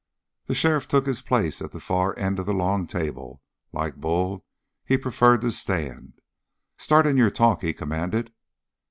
The sheriff took his place at the far end of the long table. Like Bull, he preferred to stand. "Start in your talk," he commanded.